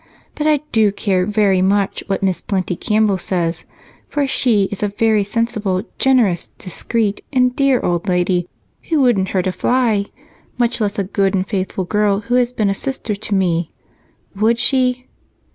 But I do care very much what Miss Plenty Campbell says, for she is a very sensible, generous, discreet, and dear old lady who wouldn't hurt a fly, much less a good and faithful girl who has been a sister to me. Would she?"